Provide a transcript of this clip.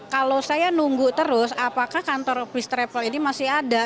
kalau saya nunggu terus apakah kantor fis travel ini masih ada